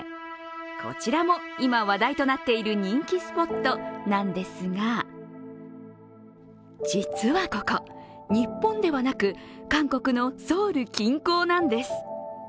こちらも今、話題となっている人気スポットなんですが実はここ、日本ではなく韓国のソウル近郊なんです。